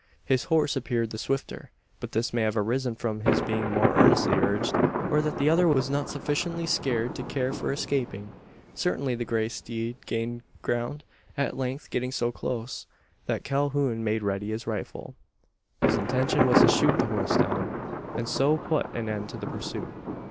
His horse appeared the swifter; but this may have arisen from his being more earnestly urged; or that the other was not sufficiently scared to care for escaping. Certainly the grey steed gained ground at length getting so close, that Calhoun made ready his rifle. His intention was to shoot the horse down, and so put an end to the pursuit.